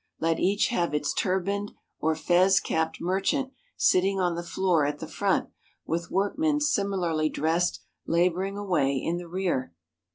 Let each have its turbaned or fez capped merchant sitting on the floor at the front, with workmen similarly dressed labouring away in the rear.